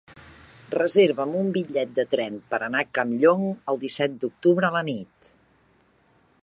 Reserva'm un bitllet de tren per anar a Campllong el disset d'octubre a la nit.